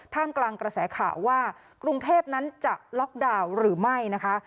กลางกระแสข่าวว่ากรุงเทพนั้นจะล็อกดาวน์หรือไม่นะคะ